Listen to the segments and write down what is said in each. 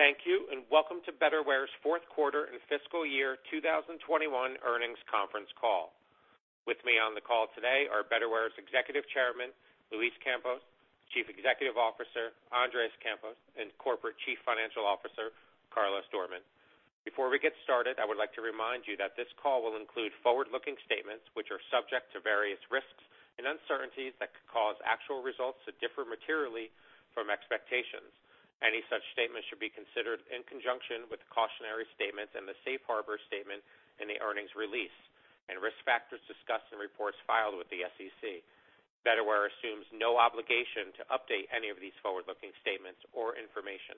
Thank you, and welcome to Betterware's fourth quarter and fiscal year 2021 earnings conference call. With me on the call today are Betterware's Executive Chairman, Luis Campos, Chief Executive Officer, Andrés Campos, and Corporate Chief Financial Officer, Carlos Doormann. Before we get started, I would like to remind you that this call will include forward-looking statements which are subject to various risks and uncertainties that could cause actual results to differ materially from expectations. Any such statements should be considered in conjunction with the cautionary statements and the safe harbor statement in the earnings release and risk factors discussed in reports filed with the SEC. Betterware assumes no obligation to update any of these forward-looking statements or information.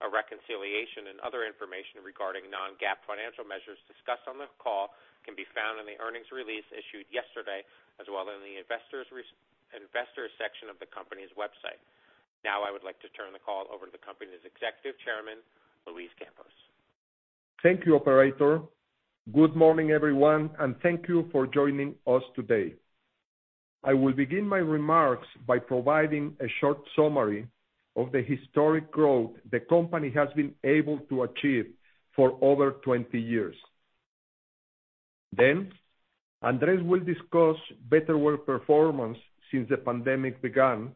A reconciliation and other information regarding non-GAAP financial measures discussed on the call can be found in the earnings release issued yesterday, as well as in the investor relations section of the company's website. Now I would like to turn the call over to the company's Executive Chairman, Luis Campos. Thank you, operator. Good morning, everyone, and thank you for joining us today. I will begin my remarks by providing a short summary of the historic growth the company has been able to achieve for over 20 years. Then, Andrés will discuss Betterware performance since the pandemic began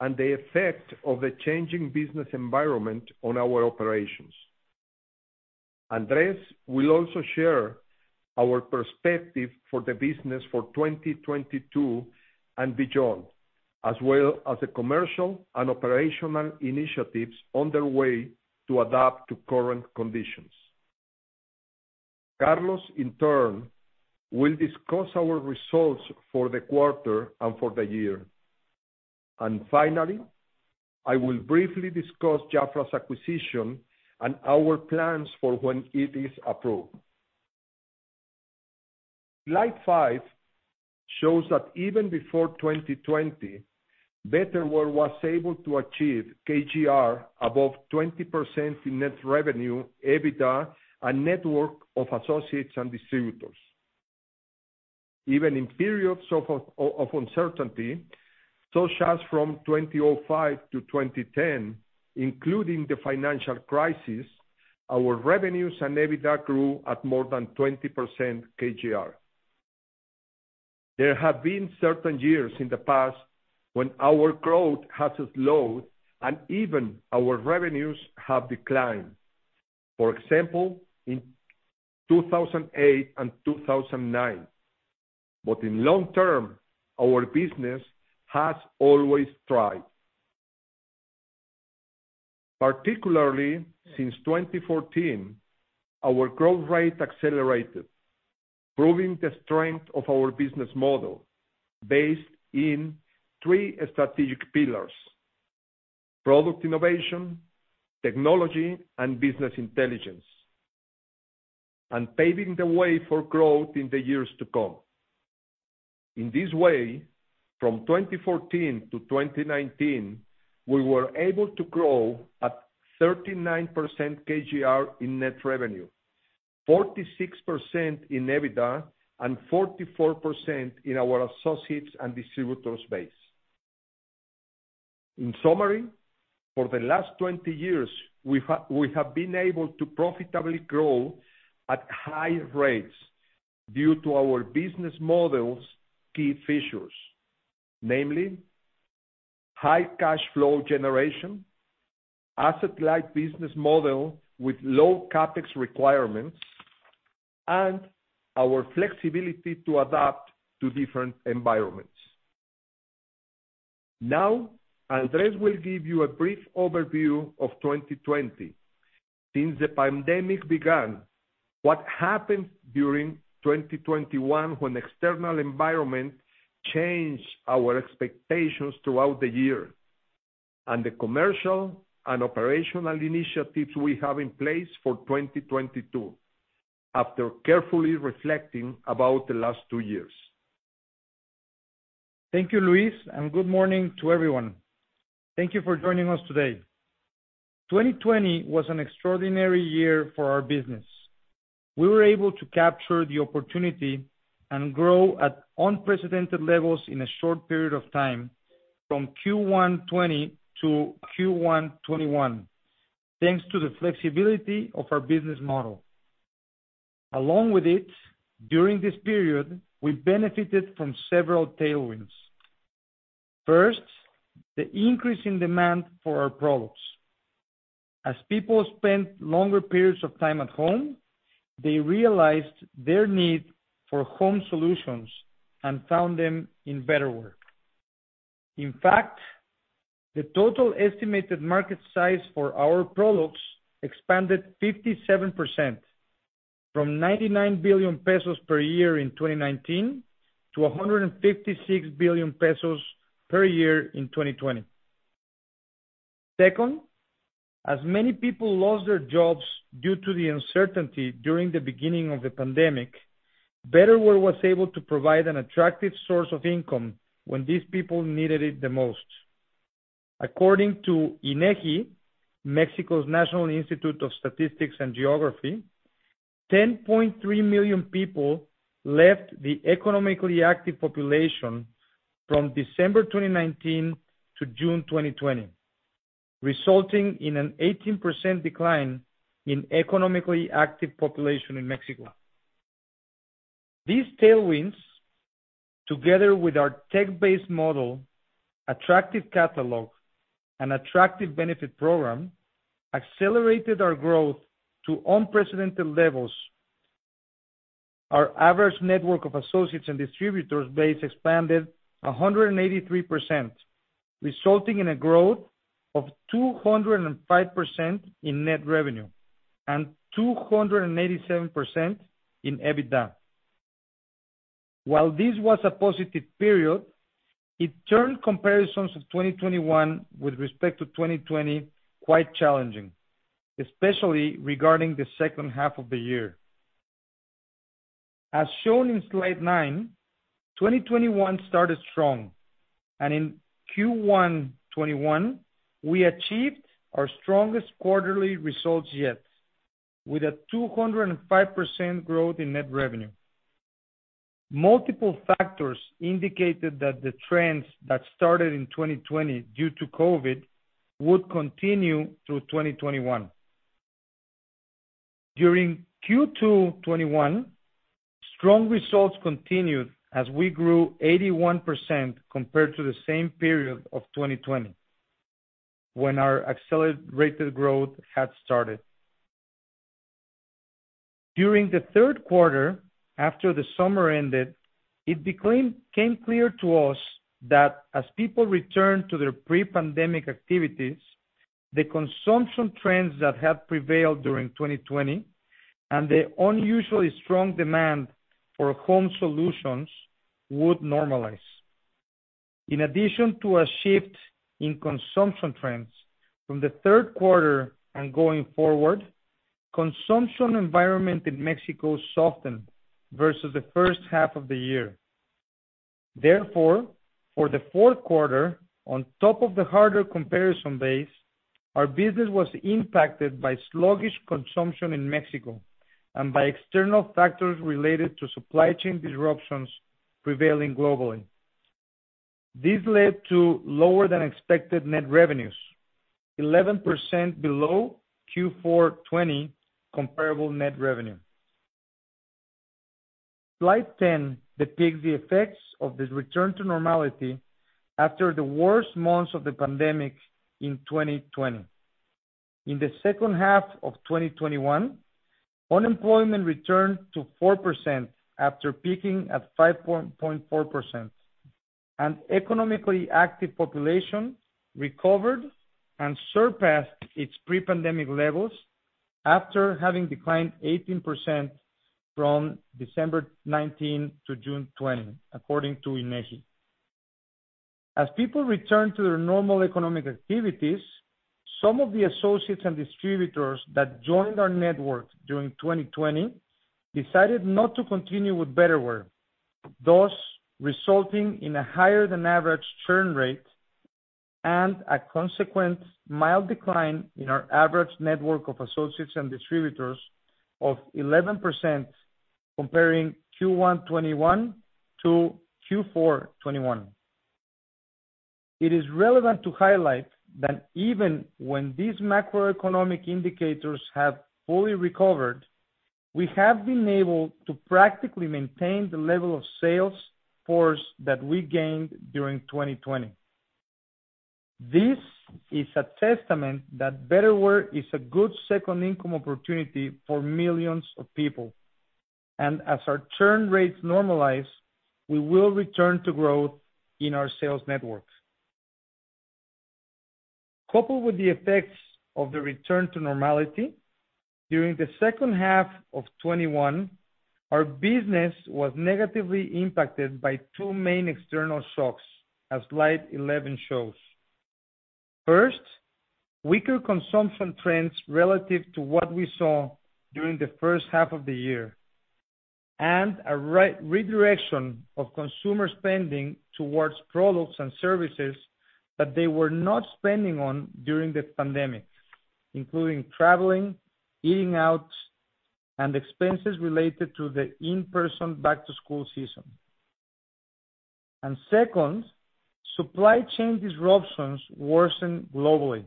and the effect of the changing business environment on our operations. Andrés will also share our perspective for the business for 2022 and beyond, as well as the commercial and operational initiatives underway to adapt to current conditions. Carlos, in turn, will discuss our results for the quarter and for the year. And finally, I will briefly discuss JAFRA's acquisition and our plans for when it is approved. Slide five shows that even before 2020, Betterware was able to achieve CAGR above 20% in net revenue, EBITDA, and network of associates and distributors. Even in periods of uncertainty, such as from 2005 to 2010, including the financial crisis, our revenues and EBITDA grew at more than 20% CAGR. There have been certain years in the past when our growth has slowed and even our revenues have declined. For example, in 2008 and 2009. In long term, our business has always thrived. Particularly since 2014, our growth rate accelerated, proving the strength of our business model based in three strategic pillars: product innovation, technology, and business intelligence, and paving the way for growth in the years to come. In this way, from 2014 to 2019, we were able to grow at 39% CAGR in net revenue, 46% in EBITDA, and 44% in our associates and distributors base. In summary, for the last 20 years, we have been able to profitably grow at high rates due to our business model's key features, namely high cash flow generation, asset-light business model with low CapEx requirements, and our flexibility to adapt to different environments. Now, Andres will give you a brief overview of 2020. Since the pandemic began, what happened during 2021 when external environment changed our expectations throughout the year, and the commercial and operational initiatives we have in place for 2022 after carefully reflecting about the last two years. Thank you, Luis, and good morning to everyone. Thank you for joining us today. 2020 was an extraordinary year for our business. We were able to capture the opportunity and grow at unprecedented levels in a short period of time from Q1 2020 to Q1 2021, thanks to the flexibility of our business model. Along with it, during this period, we benefited from several tailwinds. First, the increase in demand for our products. As people spent longer periods of time at home, they realized their need for home solutions and found them in Betterware. In fact, the total estimated market size for our products expanded 57% from 99 billion pesos per year in 2019 to 156 billion pesos per year in 2020. Second, as many people lost their jobs due to the uncertainty during the beginning of the pandemic, Betterware was able to provide an attractive source of income when these people needed it the most. According to INEGI, Mexico's National Institute of Statistics and Geography. 10.3 million people left the economically active population from December 2019 to June 2020, resulting in an 18% decline in economically active population in Mexico. These tailwinds, together with our tech-based model, attractive catalog, and attractive benefit program, accelerated our growth to unprecedented levels. Our average network of associates and distributors base expanded 183%, resulting in a growth of 205% in net revenue and 287% in EBITDA. While this was a positive period, it turned comparisons of 2021 with respect to 2020 quite challenging, especially regarding the second half of the year. As shown in slide nine, 2021 started strong, and in Q1 2021, we achieved our strongest quarterly results yet, with a 205% growth in net revenue. Multiple factors indicated that the trends that started in 2020 due to COVID would continue through 2021. During Q2 2021, strong results continued as we grew 81% compared to the same period of 2020, when our accelerated growth had started. During the third quarter after the summer ended, it became clear to us that as people returned to their pre-pandemic activities, the consumption trends that had prevailed during 2020 and the unusually strong demand for home solutions would normalize. In addition to a shift in consumption trends from the third quarter and going forward, consumption environment in Mexico softened versus the first half of the year. Therefore, for the fourth quarter, on top of the harder comparison base, our business was impacted by sluggish consumption in Mexico and by external factors related to supply chain disruptions prevailing globally. This led to lower than expected net revenues, 11% below Q4 2020 comparable net revenue. Slide 10 depicts the effects of this return to normality after the worst months of the pandemic in 2020. In the second half of 2021, unemployment returned to 4% after peaking at 5.4%. Economically active population recovered and surpassed its pre-pandemic levels after having declined 18% from December 2019 to June 2020, according to INEGI. As people return to their normal economic activities, some of the associates and distributors that joined our network during 2020 decided not to continue with Betterware, thus resulting in a higher than average churn rate and a consequent mild decline in our average network of associates and distributors of 11% comparing Q1 2021 to Q4 2021. It is relevant to highlight that even when these macroeconomic indicators have fully recovered, we have been able to practically maintain the level of sales force that we gained during 2020. This is a testament that Betterware is a good second income opportunity for millions of people, and as our churn rates normalize, we will return to growth in our sales networks. Coupled with the effects of the return to normality, during the second half of 2021, our business was negatively impacted by two main external shocks, as slide 11 shows. First, weaker consumption trends relative to what we saw during the first half of the year, and a redirection of consumer spending towards products and services that they were not spending on during the pandemic, including traveling, eating out, and expenses related to the in-person back to school season. Second, supply chain disruptions worsened globally,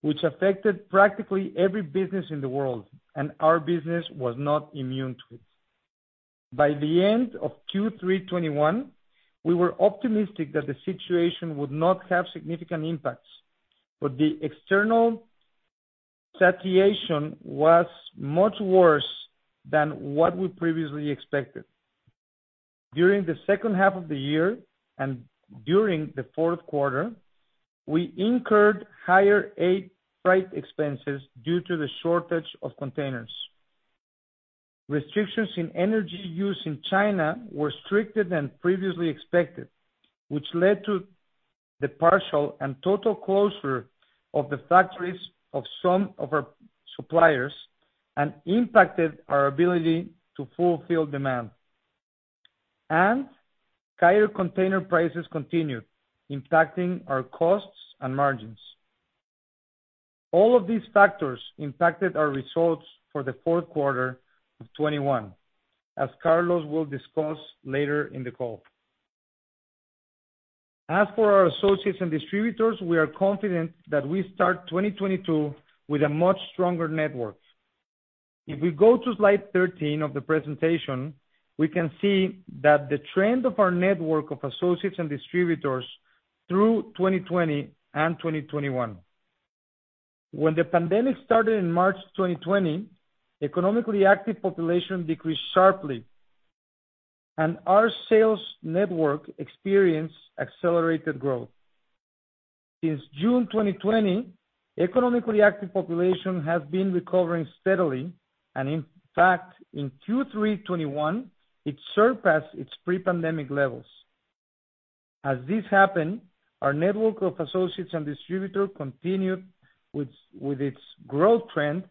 which affected practically every business in the world, and our business was not immune to it. By the end of Q3 2021, we were optimistic that the situation would not have significant impacts, but the external situation was much worse than what we previously expected. During the second half of the year, and during the fourth quarter, we incurred higher air freight expenses due to the shortage of containers. Restrictions in energy use in China were stricter than previously expected, which led to the partial and total closure of the factories of some of our suppliers and impacted our ability to fulfill demand. Higher container prices continued impacting our costs and margins. All of these factors impacted our results for the fourth quarter of 2021, as Carlos will discuss later in the call. As for our associates and distributors, we are confident that we start 2022 with a much stronger network. If we go to slide 13 of the presentation, we can see that the trend of our network of associates and distributors through 2020 and 2021. When the pandemic started in March 2020, economically active population decreased sharply, and our sales network experienced accelerated growth. Since June 2020, economically active population has been recovering steadily, and in fact, in Q3 2021, it surpassed its pre-pandemic levels. As this happened, our network of associates and distributors continued with its growth trend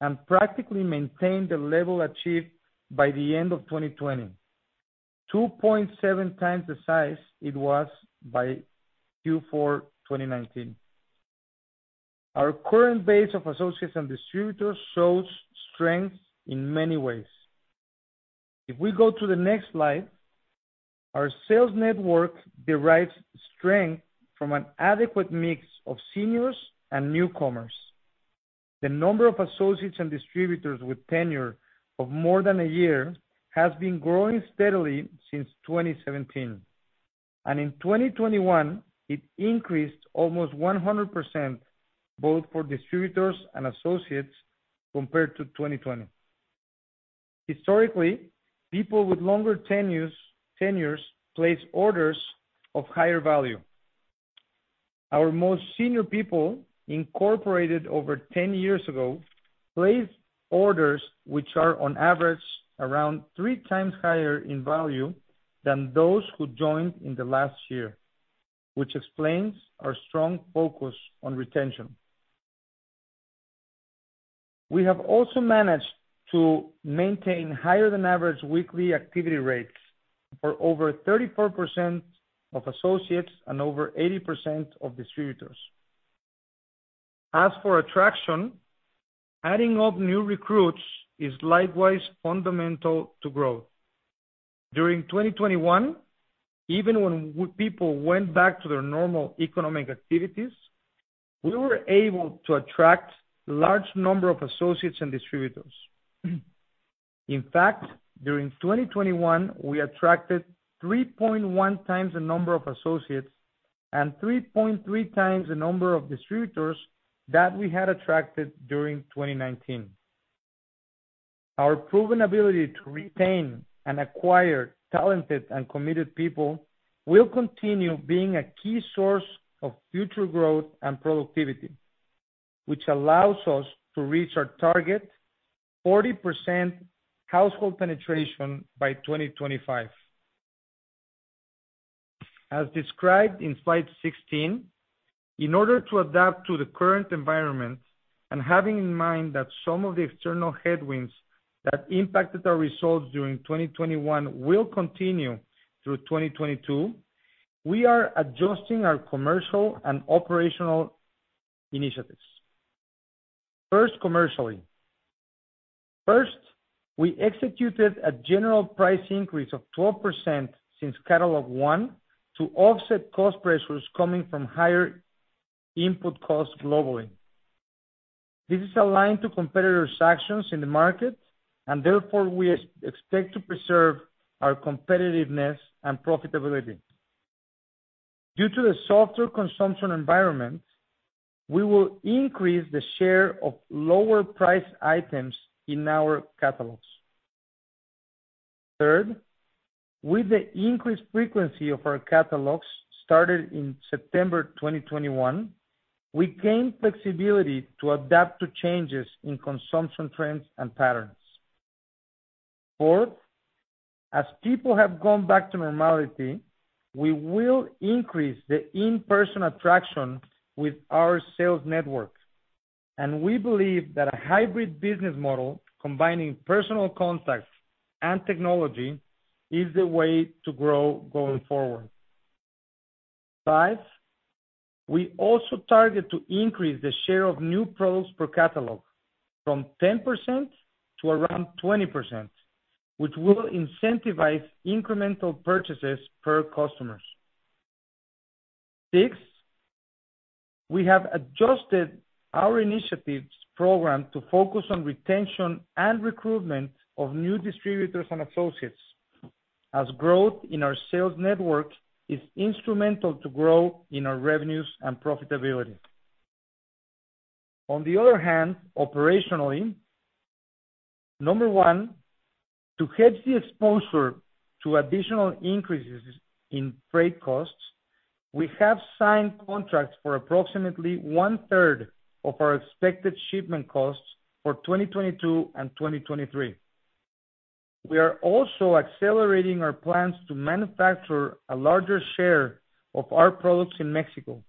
and practically maintained the level achieved by the end of 2020, 2.7 times the size it was by Q4 2019. Our current base of associates and distributors shows strength in many ways. If we go to the next slide, our sales network derives strength from an adequate mix of seniors and newcomers. The number of associates and distributors with tenure of more than a year has been growing steadily since 2017. In 2021, it increased almost 100%, both for distributors and associates compared to 2020. Historically, people with longer tenures place orders of higher value. Our most senior people, incorporated over 10 years ago, place orders which are on average around three times higher in value than those who joined in the last year, which explains our strong focus on retention. We have also managed to maintain higher than average weekly activity rates for over 34% of associates and over 80% of distributors. As for attraction, adding up new recruits is likewise fundamental to growth. During 2021, even when people went back to their normal economic activities, we were able to attract large number of associates and distributors. In fact, during 2021, we attracted 3.1x the number of associates and 3.3x the number of distributors that we had attracted during 2019. Our proven ability to retain and acquire talented and committed people will continue being a key source of future growth and productivity, which allows us to reach our target, 40% household penetration by 2025. As described in slide 16, in order to adapt to the current environment and having in mind that some of the external headwinds that impacted our results during 2021 will continue through 2022, we are adjusting our commercial and operational initiatives. First, commercially, we executed a general price increase of 12% since Catalog 1 to offset cost pressures coming from higher input costs globally. This is aligned to competitors' actions in the market, and therefore, we expect to preserve our competitiveness and profitability. Due to the softer consumption environment, we will increase the share of lower price items in our catalogs. Third, with the increased frequency of our catalogs started in September 2021, we gain flexibility to adapt to changes in consumption trends and patterns. Fourth, as people have gone back to normality, we will increase the in-person attraction with our sales network. We believe that a hybrid business model combining personal contacts and technology is the way to grow going forward. Five, we also target to increase the share of new products per catalog from 10% to around 20%, which will incentivize incremental purchases per customers. Six, we have adjusted our initiatives program to focus on retention and recruitment of new distributors and associates, as growth in our sales network is instrumental to grow in our revenues and profitability. Operationally, number one, to hedge the exposure to additional increases in freight costs, we have signed contracts for approximately one-third of our expected shipment costs for 2022 and 2023. We are also accelerating our plans to manufacture a larger share of our products in Mexico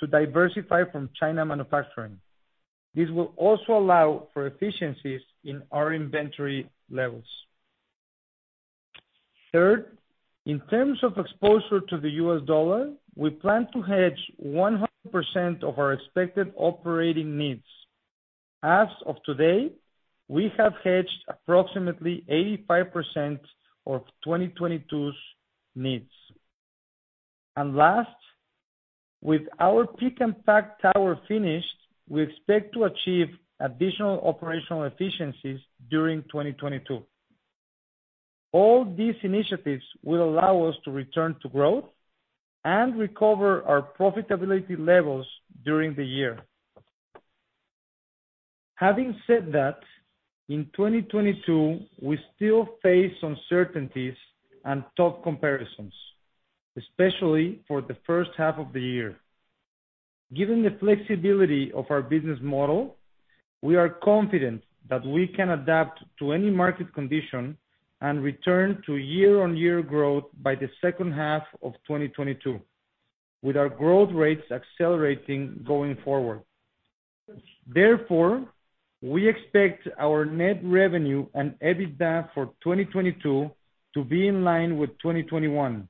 to diversify from China manufacturing. This will also allow for efficiencies in our inventory levels. Third, in terms of exposure to the US dollar, we plan to hedge 100% of our expected operating needs. As of today, we have hedged approximately 85% of 2022's needs. Last, with our pick and pack tower finished, we expect to achieve additional operational efficiencies during 2022. All these initiatives will allow us to return to growth and recover our profitability levels during the year. Having said that, in 2022, we still face uncertainties and tough comparisons, especially for the first half of the year. Given the flexibility of our business model, we are confident that we can adapt to any market condition and return to year-on-year growth by the second half of 2022, with our growth rates accelerating going forward. Therefore, we expect our net revenue and EBITDA for 2022 to be in line with 2021,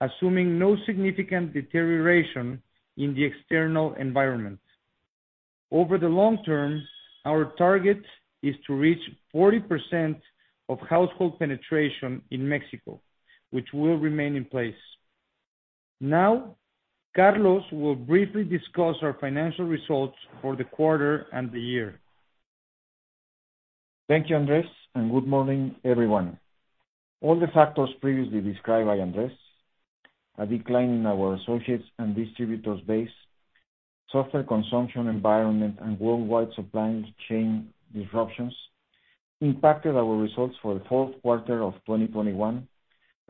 assuming no significant deterioration in the external environment. Over the long term, our target is to reach 40% of household penetration in Mexico, which will remain in place. Now, Carlos will briefly discuss our financial results for the quarter and the year. Thank you, Andres, and good morning, everyone. All the factors previously described by Andres, a decline in our associates and distributors base, softer consumption environment, and worldwide supply chain disruptions, impacted our results for the fourth quarter of 2021,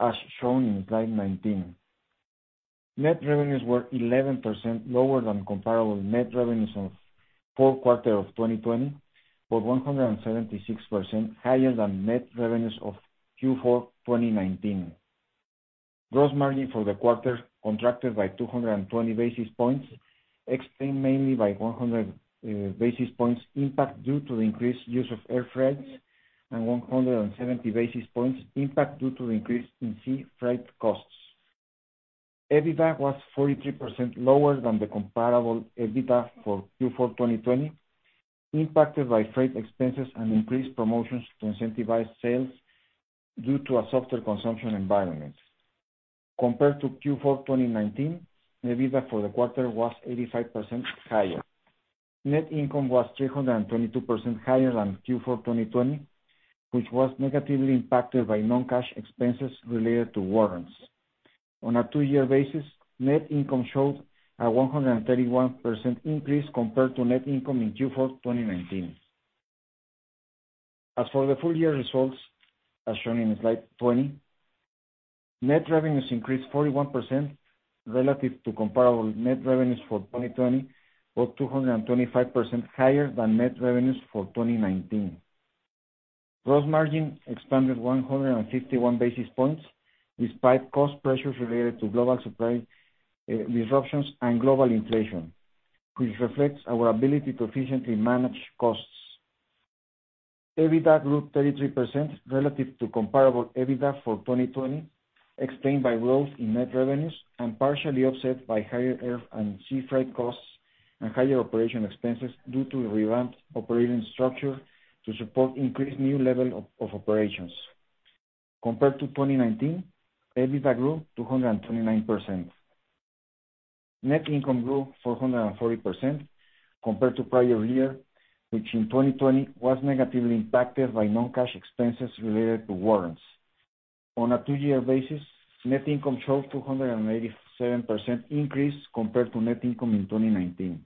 as shown in slide 19. Net revenues were 11% lower than comparable net revenues of fourth quarter of 2020, but 176% higher than net revenues of Q4 2019. Gross margin for the quarter contracted by 220 basis points, explained mainly by 100 basis points impact due to the increased use of air freights and 170 basis points impact due to increase in sea freight costs. EBITDA was 43% lower than the comparable EBITDA for Q4 2020, impacted by freight expenses and increased promotions to incentivize sales due to a softer consumption environment. Compared to Q4 2019, EBITDA for the quarter was 85% higher. Net income was 322% higher than Q4 2020, which was negatively impacted by non-cash expenses related to warrants. On a two-year basis, net income showed a 131% increase compared to net income in Q4 2019. As for the full year results, as shown in slide 20, net revenues increased 41% relative to comparable net revenues for 2020 or 225% higher than net revenues for 2019. Gross margin expanded 151 basis points, despite cost pressures related to global supply disruptions and global inflation, which reflects our ability to efficiently manage costs. EBITDA grew 33% relative to comparable EBITDA for 2020, explained by growth in net revenues and partially offset by higher air and sea freight costs and higher operating expenses due to revamped operating structure to support increased new level of operations. Compared to 2019, EBITDA grew 229%. Net income grew 440% compared to prior year, which in 2020 was negatively impacted by non-cash expenses related to warrants. On a two-year basis, net income showed 287% increase compared to net income in 2019.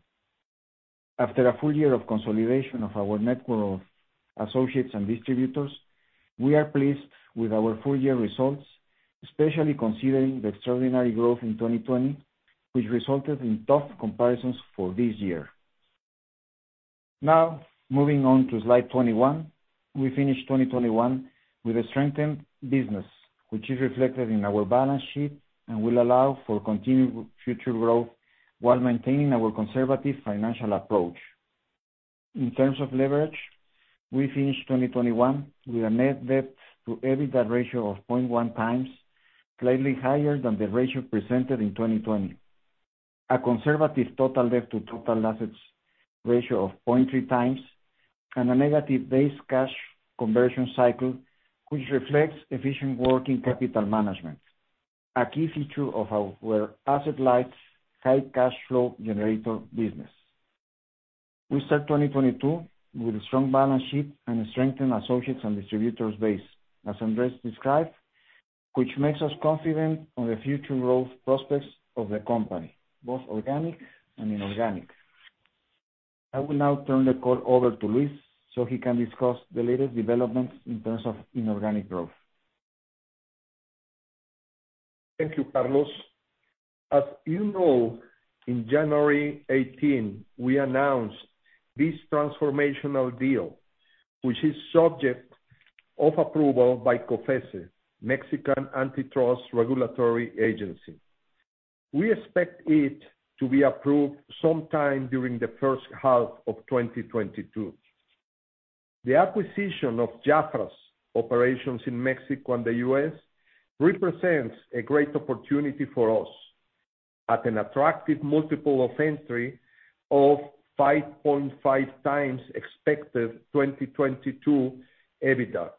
After a full year of consolidation of our network of associates and distributors, we are pleased with our full year results, especially considering the extraordinary growth in 2020, which resulted in tough comparisons for this year. Now, moving on to slide 21. We finished 2021 with a strengthened business, which is reflected in our balance sheet and will allow for continued future growth while maintaining our conservative financial approach. In terms of leverage, we finished 2021 with a net debt to EBITDA ratio of 0.1x, slightly higher than the ratio presented in 2020, a conservative total debt to total assets ratio of 0.3x, and a negative cash conversion cycle, which reflects efficient working capital management, a key feature of our asset light, high cash flow generator business. We start 2022 with a strong balance sheet and a strengthened associates and distributors base, as Andres described, which makes us confident on the future growth prospects of the company, both organic and inorganic. I will now turn the call over to Luis so he can discuss the latest developments in terms of inorganic growth. Thank you, Carlos. As you know, in January 2018, we announced this transformational deal, which is subject to approval by COFECE, Mexican Antitrust Regulatory Agency. We expect it to be approved sometime during the first half of 2022. The acquisition of JAFRA's operations in Mexico and the U.S. represents a great opportunity for us at an attractive multiple of entry of 5.5x expected 2022 EBITDA.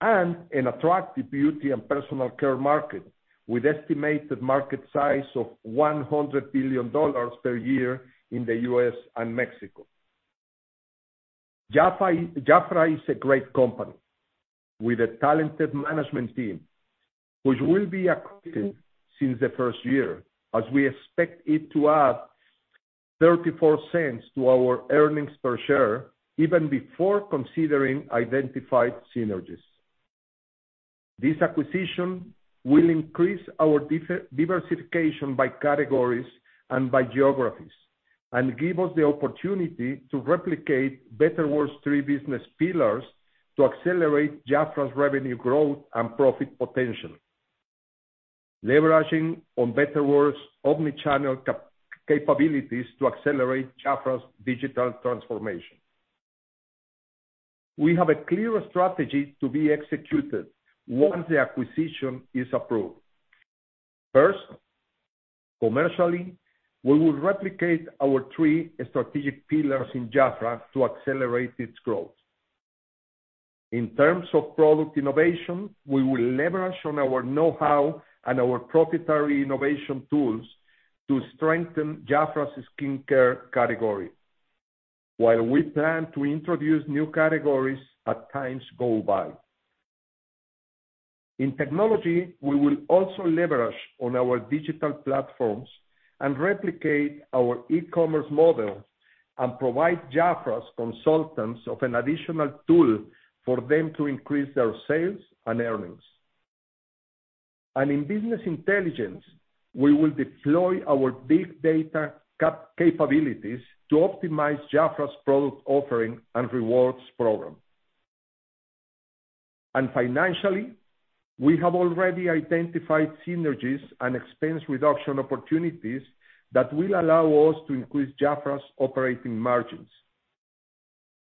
An attractive beauty and personal care market, with estimated market size of $100 billion per year in the U.S. and Mexico. JAFRA is a great company with a talented management team, which will be accretive since the first year, as we expect it to add $0.34 to our earnings per share even before considering identified synergies. This acquisition will increase our diversification by categories and by geographies, and give us the opportunity to replicate Betterware's three business pillars to accelerate JAFRA's revenue growth and profit potential. Leveraging on Betterware's omni-channel capabilities to accelerate JAFRA's digital transformation. We have a clear strategy to be executed once the acquisition is approved. First, commercially, we will replicate our three strategic pillars in JAFRA to accelerate its growth. In terms of product innovation, we will leverage on our know-how and our proprietary innovation tools to strengthen JAFRA's skincare category, while we plan to introduce new categories as time goes by. In technology, we will also leverage on our digital platforms and replicate our e-commerce model and provide JAFRA's consultants of an additional tool for them to increase their sales and earnings. In business intelligence, we will deploy our big data capabilities to optimize JAFRA's product offering and rewards program. Financially, we have already identified synergies and expense reduction opportunities that will allow us to increase JAFRA's operating margins.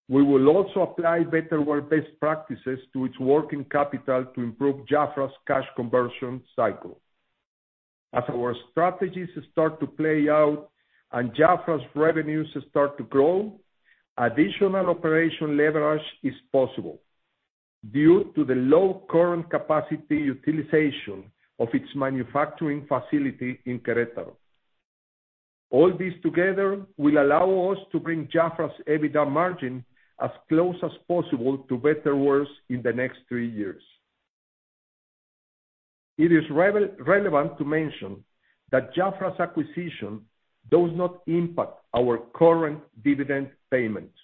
We will also apply Betterware best practices to its working capital to improve JAFRA's cash conversion cycle. As our strategies start to play out and JAFRA's revenues start to grow, additional operational leverage is possible due to the low current capacity utilization of its manufacturing facility in Querétaro. All this together will allow us to bring JAFRA's EBITDA margin as close as possible to Betterware's in the next three years. It is relevant to mention that JAFRA's acquisition does not impact our current dividend payments.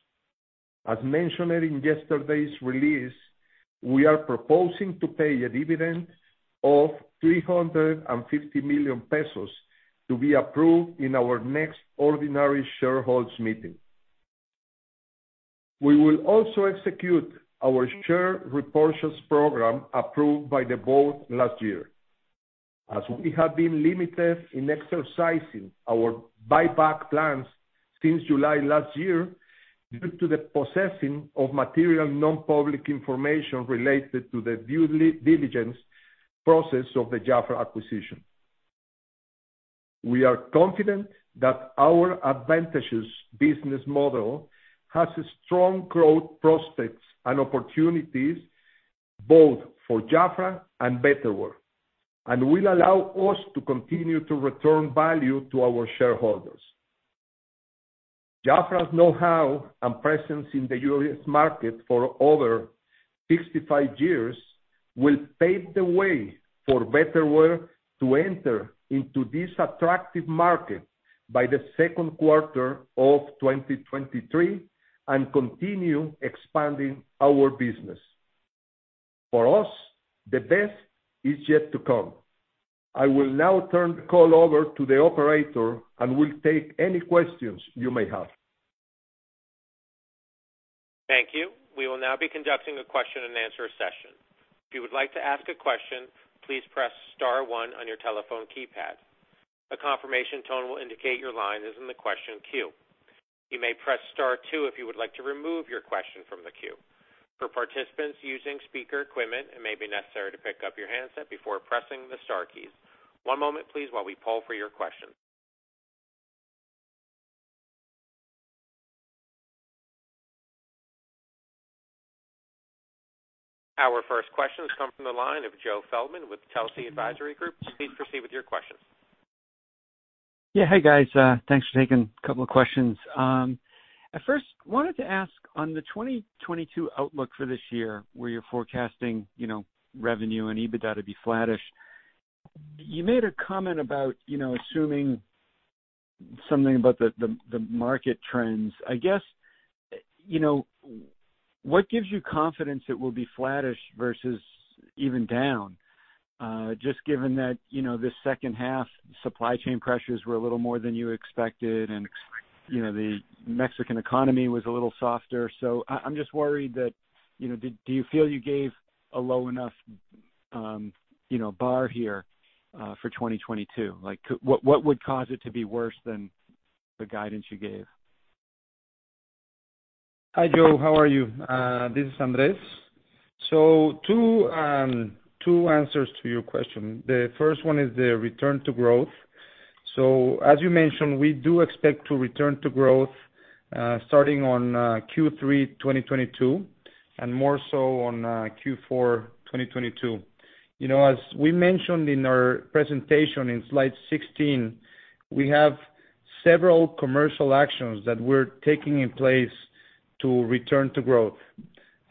As mentioned in yesterday's release, we are proposing to pay a dividend of 350 million pesos to be approved in our next ordinary shareholders meeting. We will also execute our share repurchase program approved by the board last year, as we have been limited in exercising our buyback plans since July last year due to the possession of material non-public information related to the due diligence process of the JAFRA acquisition. We are confident that our advantageous business model has strong growth prospects and opportunities, both for JAFRA and Betterware, and will allow us to continue to return value to our shareholders. JAFRA's know-how and presence in the U.S. market for over 65 years will pave the way for Betterware to enter into this attractive market by the second quarter of 2023, and continue expanding our business. For us, the best is yet to come. I will now turn the call over to the operator and will take any questions you may have. Thank you. We will now be conducting a Q&A session. If you would like to ask a question, please press star one on your telephone keypad. A confirmation tone will indicate your line is in the question queue. You may press star two if you would like to remove your question from the queue. For participants using speaker equipment, it may be necessary to pick up your handset before pressing the star keys. One moment please, while we poll for your questions. Our first question has come from the line of Joseph Feldman with Telsey Advisory Group. Please proceed with your questions. Yeah. Hey, guys. Thanks for taking a couple of questions. First, wanted to ask on the 2022 outlook for this year, where you're forecasting, you know, revenue and EBITDA to be flattish. You made a comment about, you know, assuming something about the market trends. I guess, you know, what gives you confidence it will be flattish versus even down? Just given that, you know, this second half, supply chain pressures were a little more than you expected and you know, the Mexican economy was a little softer, so I'm just worried that, you know, do you feel you gave a low enough, you know, bar here, for 2022? Like, what would cause it to be worse than the guidance you gave? Hi, Joe. How are you? This is Andrés. Two answers to your question. The first one is the return to growth. As you mentioned, we do expect to return to growth, starting in Q3 2022, and more so in Q4 2022. You know, as we mentioned in our presentation in slide 16, we have several commercial actions that we're taking place to return to growth.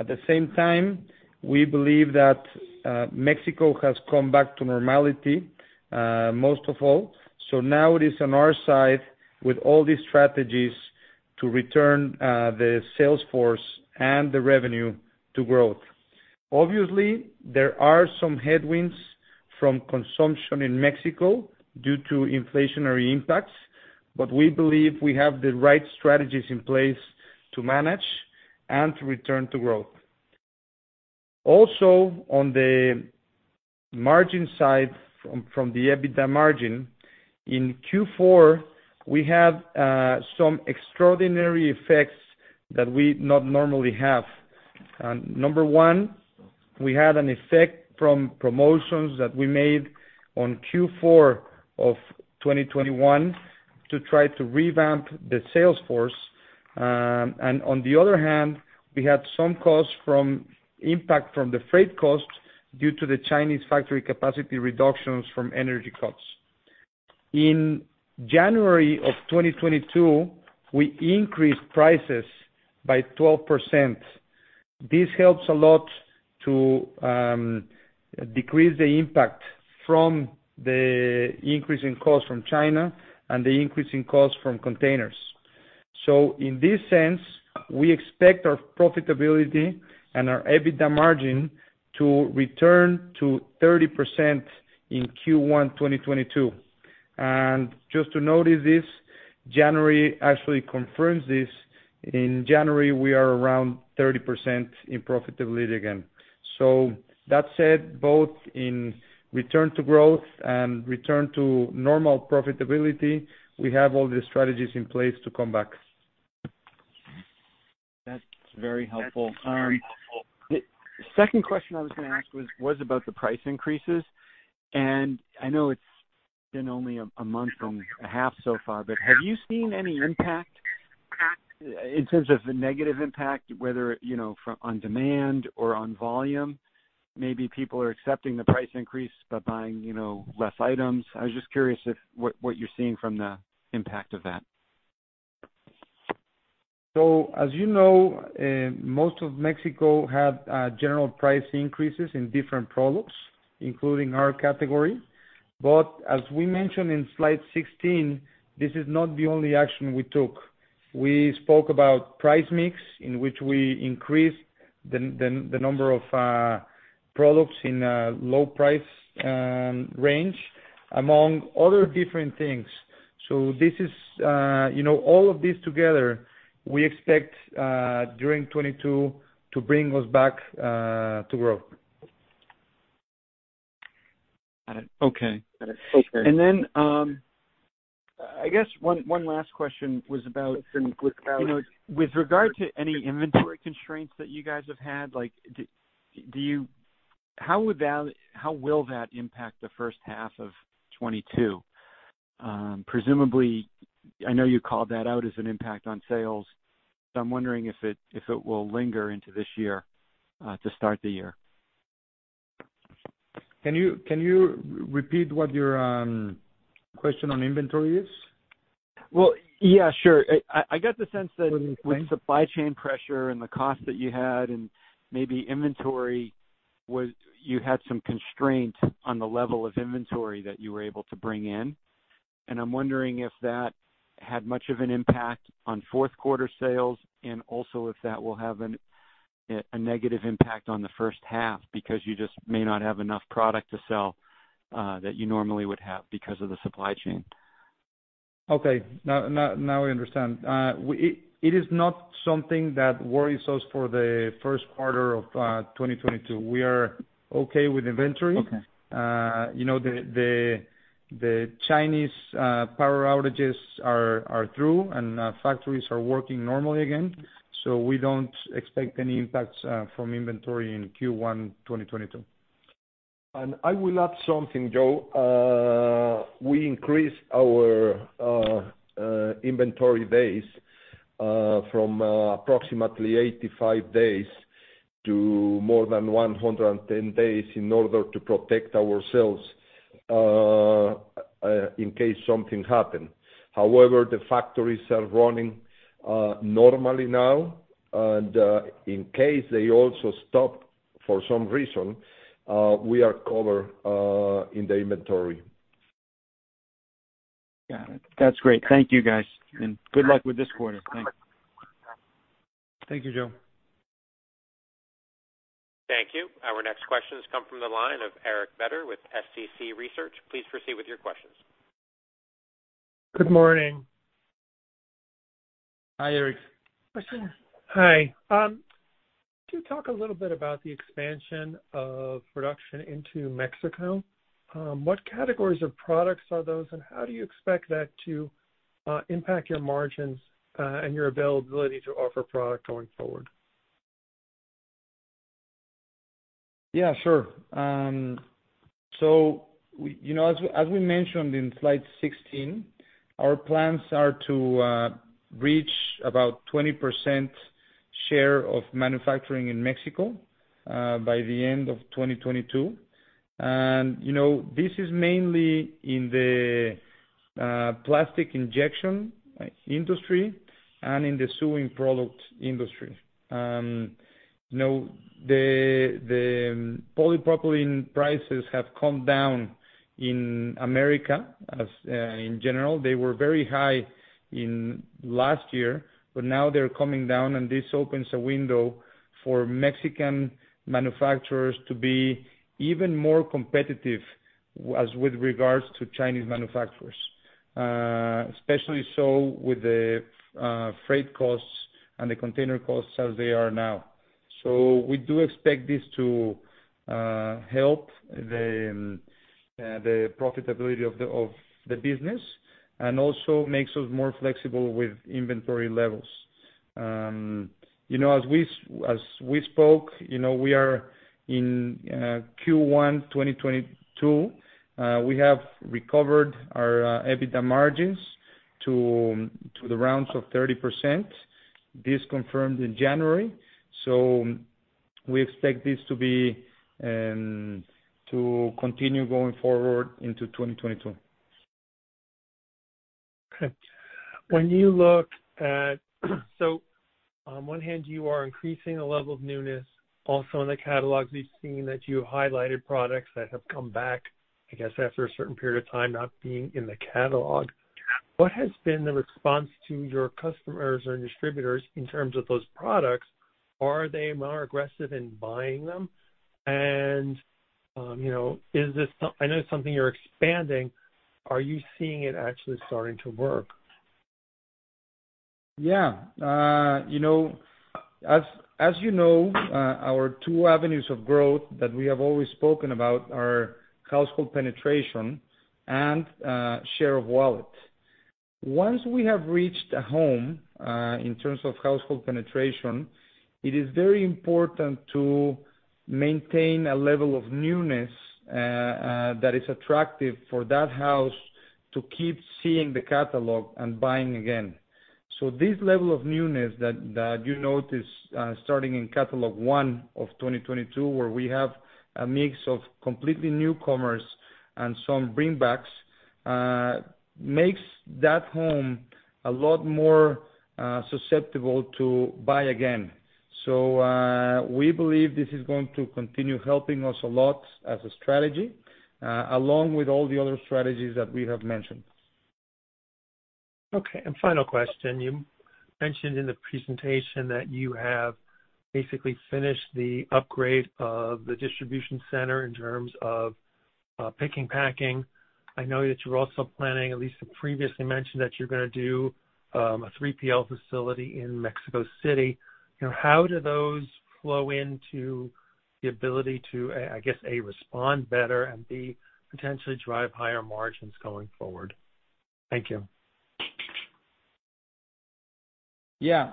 At the same time, we believe that México has come back to normality, most of all. Now it is on our side with all these strategies to return the sales force and the revenue to growth. Obviously, there are some headwinds from consumption in México due to inflationary impacts, but we believe we have the right strategies in place to manage and to return to growth. Also, on the margin side from the EBITDA margin, in Q4, we have some extraordinary effects that we not normally have. Number one, we had an effect from promotions that we made on Q4 of 2021 to try to revamp the sales force. On the other hand, we had some costs from impact from the freight costs due to the Chinese factory capacity reductions from energy costs. In January of 2022, we increased prices by 12%. This helps a lot to decrease the impact from the increase in cost from China and the increase in cost from containers. In this sense, we expect our profitability and our EBITDA margin to return to 30% in Q1 2022. Just to notice this, January actually confirms this. In January, we are around 30% in profitability again. That said, both in return to growth and return to normal profitability, we have all the strategies in place to come back. That's very helpful. The second question I was gonna ask was about the price increases, and I know it's been only a month and a half so far, but have you seen any impact in terms of the negative impact, whether you know on demand or on volume? Maybe people are accepting the price increase by buying you know less items. I was just curious what you're seeing from the impact of that. As you know, most of Mexico had general price increases in different products, including our category. As we mentioned in slide 16, this is not the only action we took. We spoke about price mix, in which we increased the the number of products in a low price range, among other different things. This is, you know, all of these together, we expect during 2022 to bring us back to growth. Got it. Okay. I guess one last question was about, you know, with regard to any inventory constraints that you guys have had, like how will that impact the first half of 2022? Presumably, I know you called that out as an impact on sales, so I'm wondering if it will linger into this year to start the year. Can you repeat what your question on inventory is? Well, yeah, sure. I get the sense that. Can you explain? With supply chain pressure and the cost that you had and maybe you had some constraint on the level of inventory that you were able to bring in, and I'm wondering if that had much of an impact on fourth quarter sales and also if that will have a negative impact on the first half because you just may not have enough product to sell that you normally would have because of the supply chain. Okay. Now I understand. It is not something that worries us for the first quarter of 2022. We are okay with inventory. Okay. You know, the Chinese power outages are through and factories are working normally again, so we don't expect any impacts from inventory in Q1 2022. I will add something, Joe. We increased our inventory days from approximately 85 days to more than 110 days in order to protect ourselves in case something happen. However, the factories are running normally now, and in case they also stop for some reason, we are covered in the inventory. Got it. That's great. Thank you, guys, and good luck with this quarter. Thanks. Thank you, Joe. Our next questions come from the line of Eric Beder with SCC Research. Please proceed with your questions. Good morning. Hi, Eric. Hi. Could you talk a little bit about the expansion of production into Mexico? What categories of products are those, and how do you expect that to impact your margins, and your availability to offer product going forward? Yeah, sure. You know, as we mentioned in slide 16, our plans are to reach about 20% share of manufacturing in Mexico by the end of 2022. You know, this is mainly in the plastic injection industry and in the sewing product industry. You know, the polypropylene prices have come down in America in general. They were very high last year, but now they're coming down, and this opens a window for Mexican manufacturers to be even more competitive with regards to Chinese manufacturers. Especially so with the freight costs and the container costs as they are now. We do expect this to help the profitability of the business and also makes us more flexible with inventory levels. You know, as we spoke, you know, we are in Q1 2022. We have recovered our EBITDA margins to the rounds of 30%. This confirmed in January, so we expect this to continue going forward into 2022. Okay. When you look at, on one hand, you are increasing the level of newness also in the catalog. We've seen that you highlighted products that have come back, I guess, after a certain period of time, not being in the catalog. What has been the response to your customers or distributors in terms of those products? Are they more aggressive in buying them? You know, I know it's something you're expanding. Are you seeing it actually starting to work? Yeah. You know, as you know, our two avenues of growth that we have always spoken about are household penetration and share of wallet. Once we have reached a home, in terms of household penetration, it is very important to maintain a level of newness that is attractive for that house to keep seeing the catalog and buying again. This level of newness that you notice, starting in Catalog 1 of 2022, where we have a mix of completely newcomers and some bring backs, makes that home a lot more susceptible to buy again. We believe this is going to continue helping us a lot as a strategy, along with all the other strategies that we have mentioned. Okay. Final question. You mentioned in the presentation that you have basically finished the upgrade of the distribution center in terms of picking, packing. I know that you're also planning, at least previously mentioned, that you're gonna do a 3PL facility in Mexico City. You know, how do those flow into the ability to, I guess, A, respond better, and B, potentially drive higher margins going forward? Thank you. Yeah.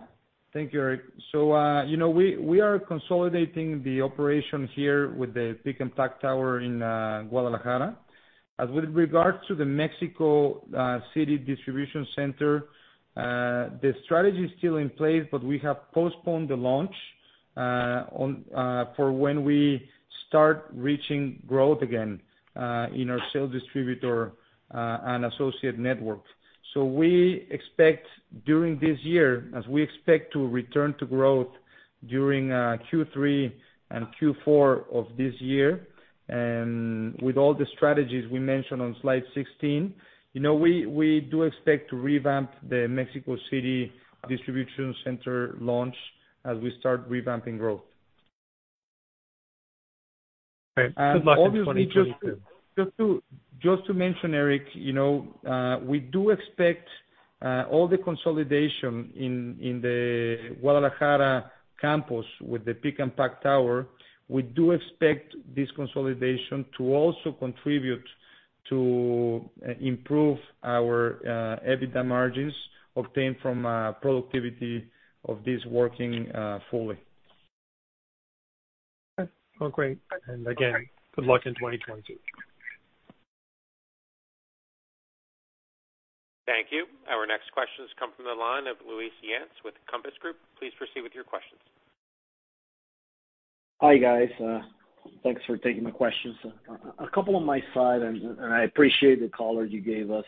Thank you, Eric. You know, we are consolidating the operation here with the pick and pack tower in Guadalajara. As with regards to the Mexico City distribution center, the strategy is still in place, but we have postponed the launch for when we start reaching growth again in our sales distributor and associate network. We expect, during this year, as we expect to return to growth during Q3 and Q4 of this year, and with all the strategies we mentioned on slide 16, you know, we do expect to revamp the Mexico City distribution center launch as we start revamping growth. Okay. Good luck in 2022. Obviously, just to mention, Eric, you know, we do expect all the consolidation in the Guadalajara campus with the pick and pack tower. We do expect this consolidation to also contribute to improve our EBITDA margins obtained from productivity of this warehouse working fully. Okay. Well, great. Again, good luck in 2022. Thank you. Our next questions come from the line of Luis Yance with Compass Group. Please proceed with your questions. Hi, guys. Thanks for taking the questions. A couple on my side, and I appreciate the color you gave us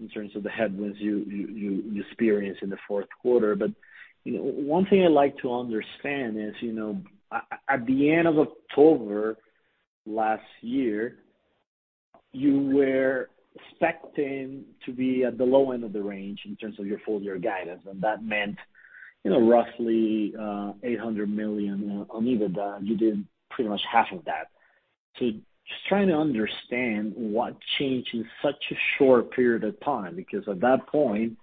in terms of the headwinds you experienced in the fourth quarter. One thing I'd like to understand is, you know, at the end of October last year you were expecting to be at the low end of the range in terms of your full year guidance, and that meant, you know, roughly 800 million on EBITDA. You did pretty much half of that. Just trying to understand what changed in such a short period of time, because at that point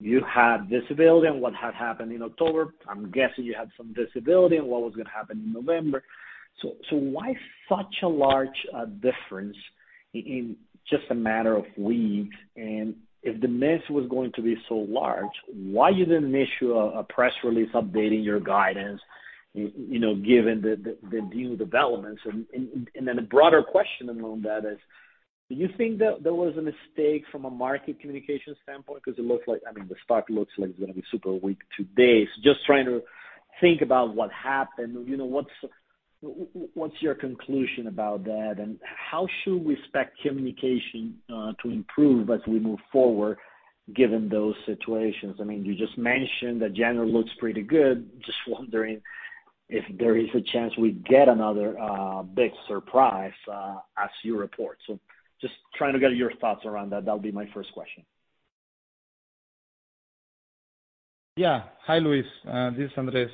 you had visibility on what had happened in October. I'm guessing you had some visibility on what was gonna happen in November. So why such a large difference in just a matter of weeks? If the miss was going to be so large, why you didn't issue a press release updating your guidance, you know, given the new developments? Then a broader question along that is, do you think that there was a mistake from a market communication standpoint? Because it looks like, I mean, the stock looks like it's gonna be super weak today. Just trying to think about what happened. You know, what's your conclusion about that, and how should we expect communication to improve as we move forward given those situations? I mean, you just mentioned that January looks pretty good. Just wondering if there is a chance we get another big surprise as you report. Just trying to get your thoughts around that. That'll be my first question. Hi, Luis. This is Andres.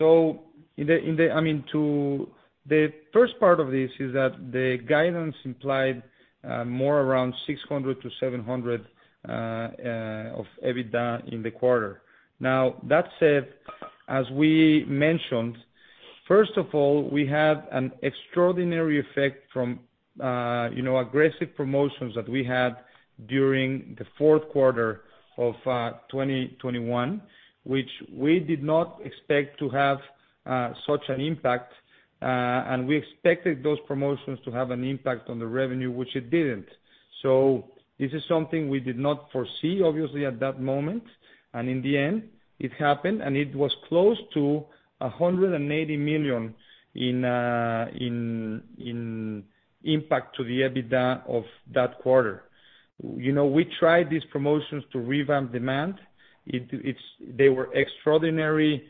I mean, to the first part of this is that the guidance implied more around 600 million-700 million of EBITDA in the quarter. Now, that said, as we mentioned, first of all, we had an extraordinary effect from you know, aggressive promotions that we had during the fourth quarter of 2021, which we did not expect to have such an impact, and we expected those promotions to have an impact on the revenue, which it didn't. This is something we did not foresee, obviously, at that moment, and in the end it happened, and it was close to 180 million in impact to the EBITDA of that quarter. You know, we tried these promotions to revamp demand. They were extraordinary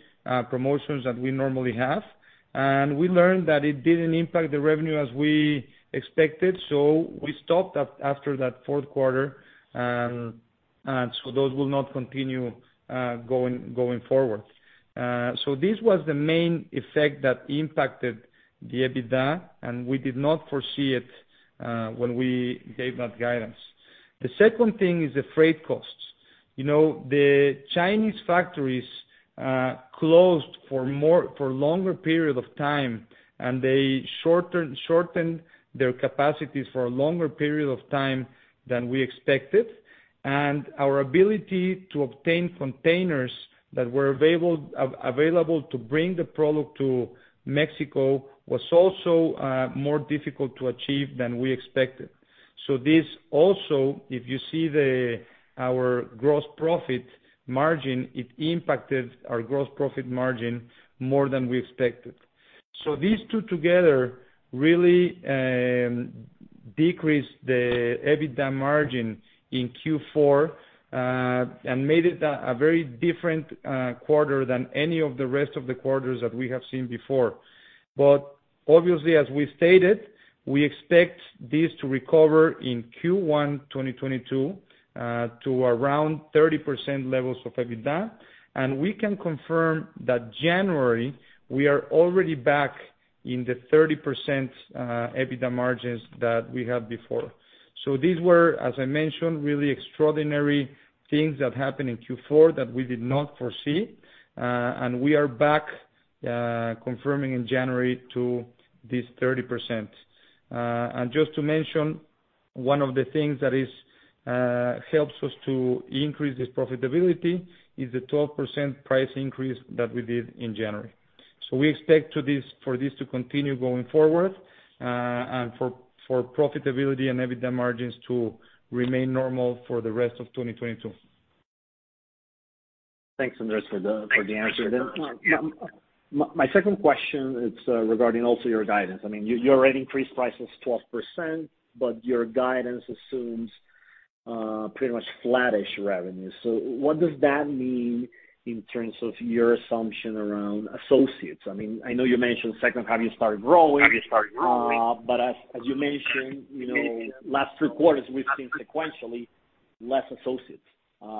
promotions more than we normally have. We learned that it didn't impact the revenue as we expected, so we stopped that after that fourth quarter. Those will not continue going forward. This was the main effect that impacted the EBITDA, and we did not foresee it when we gave that guidance. The second thing is the freight costs. You know, the Chinese factories closed for longer period of time, and they shortened their capacities for a longer period of time than we expected. Our ability to obtain containers that were available to bring the product to Mexico was also more difficult to achieve than we expected. This also, if you see our gross profit margin, it impacted our gross profit margin more than we expected. These two together really decreased the EBITDA margin in Q4 and made it a very different quarter than any of the rest of the quarters that we have seen before. Obviously, as we stated, we expect this to recover in Q1 2022 to around 30% levels of EBITDA, and we can confirm that in January we are already back in the 30% EBITDA margins that we had before. These were, as I mentioned, really extraordinary things that happened in Q4 that we did not foresee, and we are back confirming in January to this 30%. Just to mention, one of the things that helps us to increase this profitability is the 12% price increase that we did in January. We expect this to continue going forward, and for profitability and EBITDA margins to remain normal for the rest of 2022. Thanks, Andres, for the answer. My second question is regarding also your guidance. I mean, you already increased prices 12%, but your guidance assumes pretty much flattish revenue. What does that mean in terms of your assumption around associates? I mean, I know you mentioned second half you started growing, but as you mentioned, you know, last three quarters, we've seen sequentially less associates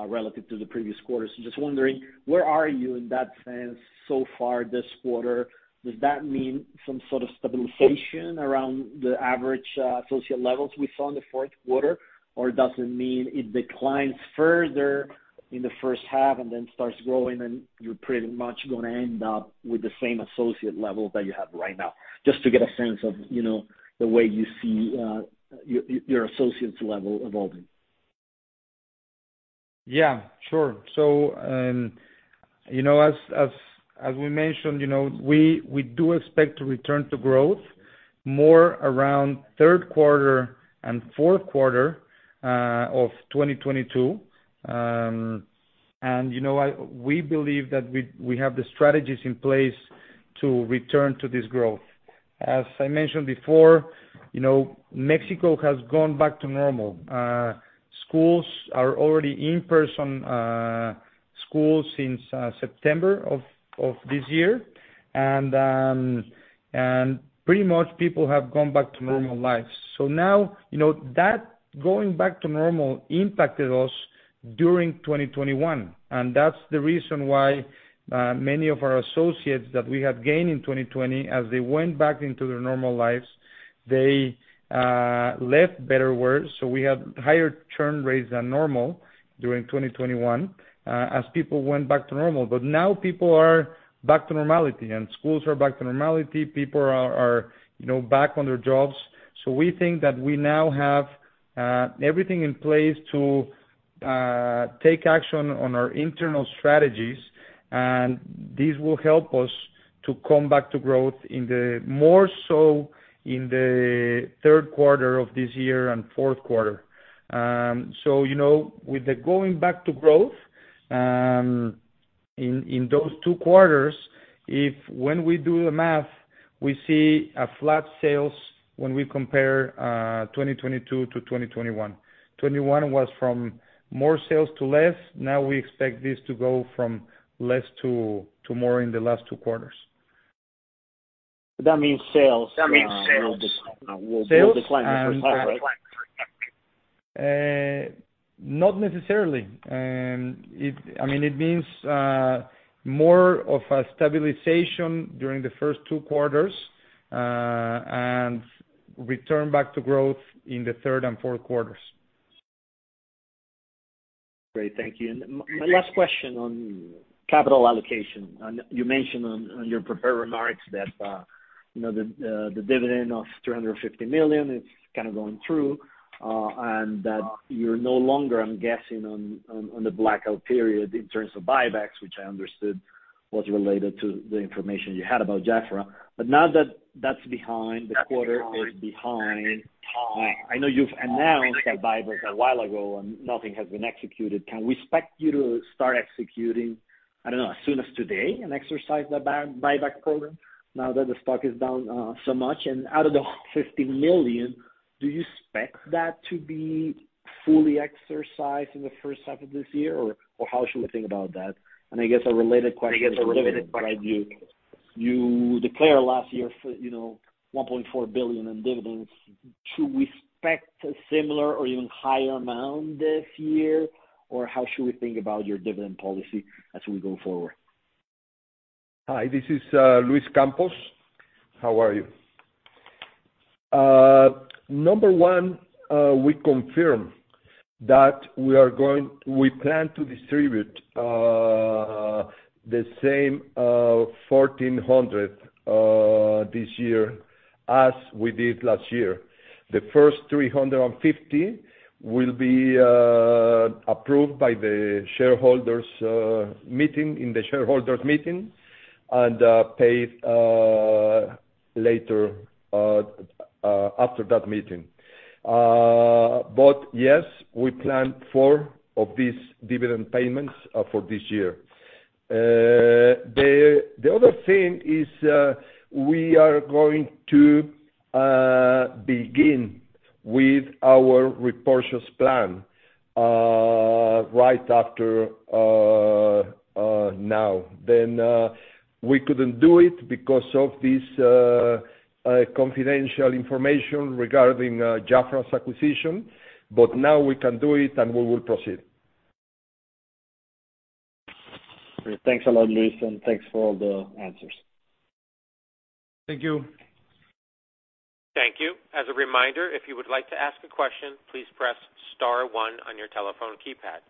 relative to the previous quarters. Just wondering, where are you in that sense so far this quarter? Does that mean some sort of stabilization around the average associate levels we saw in the fourth quarter, or does it mean it declines further in the first half and then starts growing and you're pretty much gonna end up with the same associate level that you have right now? Just to get a sense of, you know, the way you see your associates level evolving. Yeah, sure. You know, as we mentioned, you know, we do expect to return to growth more around third quarter and fourth quarter of 2022. We believe that we have the strategies in place to return to this growth. As I mentioned before, you know, Mexico has gone back to normal. Schools are already in-person school since September of this year. Pretty much people have gone back to normal life. Now, you know, that going back to normal impacted us during 2021, and that's the reason why many of our associates that we had gained in 2020, as they went back into their normal lives, they left Betterware. We had higher churn rates than normal during 2021 as people went back to normal. Now people are back to normality, and schools are back to normality, people are, you know, back on their jobs. We think that we now have everything in place to take action on our internal strategies, and this will help us to come back to growth in the more so in the third quarter of this year and fourth quarter. You know, with the going back to growth in those two quarters, when we do the math, we see flat sales when we compare 2022 to 2021. 2021 was from more sales to less. Now we expect this to go from less to more in the last two quarters. That means sales will decline for. Sales? Not necessarily. I mean, it means more of a stabilization during the first two quarters, and return back to growth in the third and fourth quarters. Great. Thank you. My last question on capital allocation. You mentioned in your prepared remarks that you know the dividend of 350 million is kind of going through and that you're no longer, I'm guessing, on the blackout period in terms of buybacks, which I understood was related to the information you had about JAFRA. Now that that's behind, the quarter is behind. I know you've announced that buyback a while ago and nothing has been executed. Can we expect you to start executing, I don't know, as soon as today, and exercise the buyback program now that the stock is down so much? Out of the 50 million, do you expect that to be fully exercised in the first half of this year? Or how should we think about that? I guess a related question to dividends, you declared last year, you know, 1.4 billion in dividends. Should we expect a similar or even higher amount this year, or how should we think about your dividend policy as we go forward? Hi, this is Luis Campos. How are you? Number one, we plan to distribute the same 1,400 MXN this year as we did last year. The first 350 MXN will be approved by the shareholders meeting in the shareholders' meeting and paid after that meeting. Yes, we plan four of these dividend payments for this year. The other thing is, we are going to begin with our repurchases plan right after now. We couldn't do it because of this confidential information regarding JAFRA's acquisition, but now we can do it and we will proceed. Great. Thanks a lot, Luis, and thanks for all the answers. Thank you. Thank you. As a reminder, if you would like to ask a question, please press star one on your telephone keypad.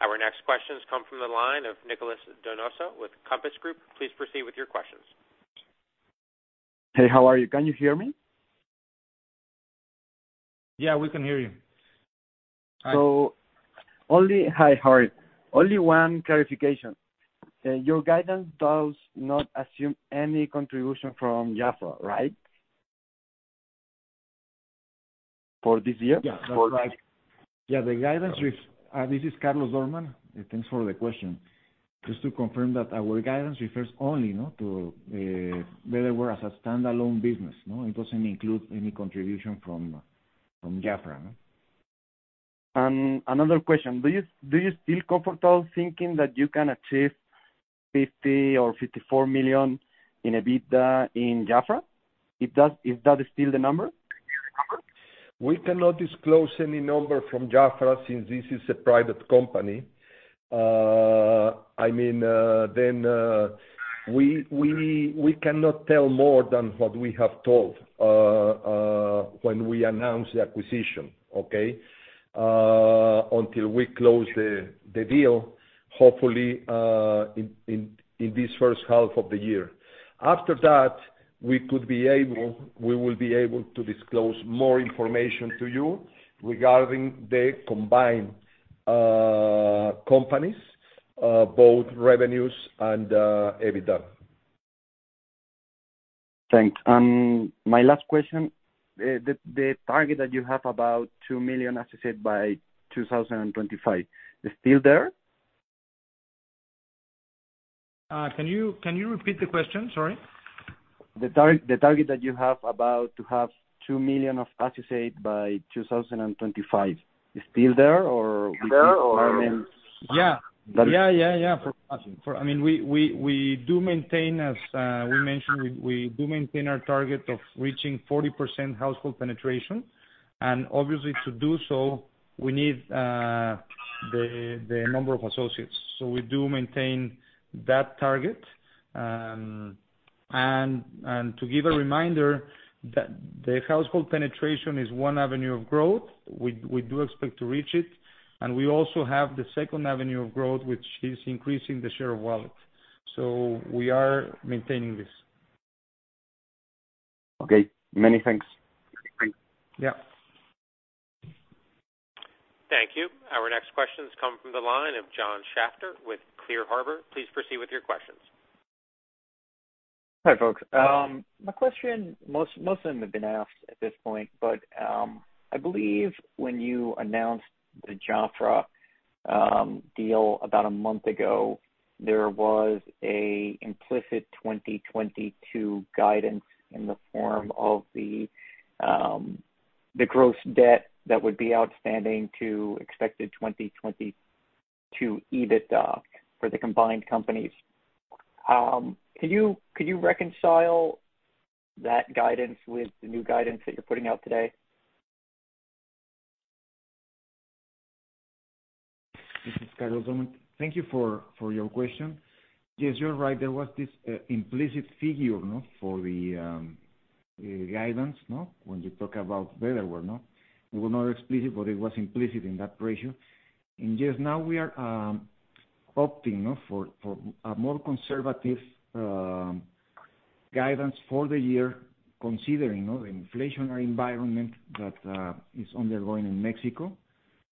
Our next questions come from the line of Nicolás Donoso with Compass Group. Please proceed with your questions. Hey, how are you? Can you hear me? Yeah, we can hear you. Hi, how are you? Only one clarification. Your guidance does not assume any contribution from JAFRA, right? For this year? Yeah. Yeah, this is Carlos Doormann. Thanks for the question. Just to confirm that our guidance refers only, you know, to Betterware as a standalone business, you know? It doesn't include any contribution from JAFRA. Another question. Do you feel comfortable thinking that you can achieve 50 million or 54 million in EBITDA in JAFRA? Is that still the number? We cannot disclose any number from JAFRA since this is a private company. I mean, we cannot tell more than what we have told when we announced the acquisition, okay? Until we close the deal, hopefully, in this first half of the year. After that, we will be able to disclose more information to you regarding the combined companies, both revenues and EBITDA. Thanks. My last question. The target that you have about 2 million, as you said, by 2025, is still there? Can you repeat the question? Sorry. The target that you have about to have 2 million of associates by 2025. It's still there or? Yeah. I mean, we do maintain, as we mentioned, we do maintain our target of reaching 40% household penetration. Obviously, to do so we need the number of associates. We do maintain that target. To give a reminder that the household penetration is one avenue of growth, we do expect to reach it. We also have the second avenue of growth, which is increasing the share of wallet. We are maintaining this. Okay. Many thanks. Yeah. Thank you. Our next questions come from the line of John Shafter with Clear Harbor. Please proceed with your questions. Hi, folks. My question, most of them have been asked at this point, but I believe when you announced the JAFRA deal about a month ago, there was a implicit 2022 guidance in the form of the gross debt that would be outstanding to expected 2022 EBITDA for the combined companies. Can you reconcile that guidance with the new guidance that you're putting out today? This is Carlos Doormann. Thank you for your question. Yes, you're right. There was this implicit figure for the guidance when you talk about Betterware? It was not explicit, but it was implicit in that ratio. Yes, now we are opting now for a more conservative guidance for the year considering, you know, the inflationary environment that is undergoing in Mexico,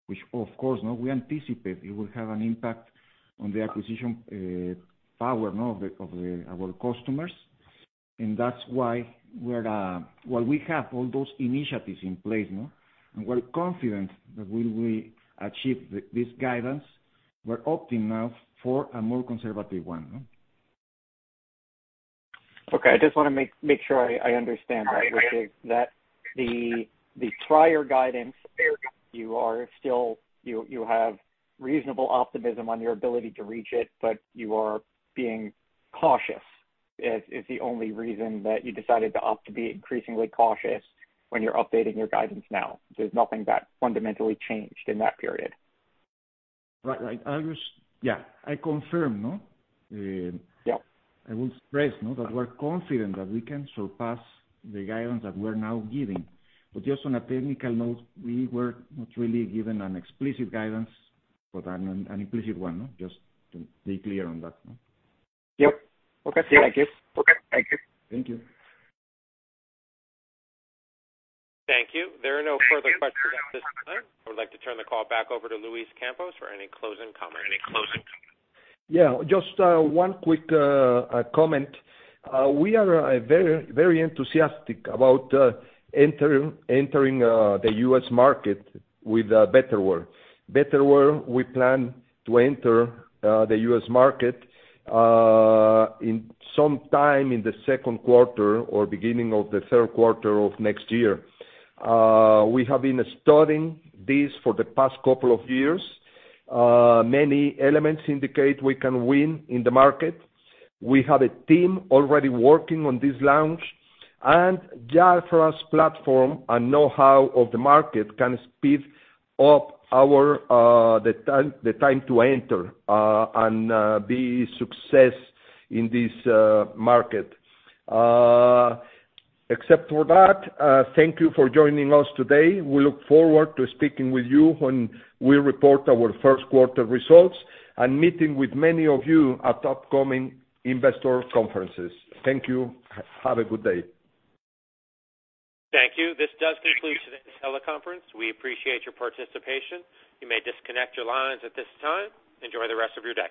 which of course, you know, we anticipate it will have an impact on the acquisition power of our customers. That's why we're, while we have all those initiatives in place, and we're confident that we will achieve this guidance, we're opting now for a more conservative one? Okay. I just wanna make sure I understand that. That the prior guidance you are still. You have reasonable optimism on your ability to reach it, but you are being cautious is the only reason that you decided to opt to be increasingly cautious when you're updating your guidance now? There's nothing that fundamentally changed in that period. Right. Yeah. I confirm, no? Yeah. I will stress, no, that we're confident that we can surpass the guidance that we're now giving. Just on a technical note, we were not really given an explicit guidance, but an implicit one, no. Just to be clear on that, no? Yep. Okay. Yeah, I guess. Okay, thank you. Thank you. Thank you. There are no further questions at this time. I would like to turn the call back over to Luis Campos for any closing comments. Yeah. Just one quick comment. We are very enthusiastic about entering the U.S. market with Betterware. Betterware, we plan to enter the U.S. market in some time in the second quarter or beginning of the third quarter of next year. We have been studying this for the past couple of years. Many elements indicate we can win in the market. We have a team already working on this launch. JAFRA's platform and know-how of the market can speed up the time to enter and be successful in this market. Except for that, thank you for joining us today. We look forward to speaking with you when we report our first quarter results and meeting with many of you at upcoming investor conferences. Thank you. Have a good day. Thank you. This does conclude today's teleconference. We appreciate your participation. You may disconnect your lines at this time. Enjoy the rest of your day.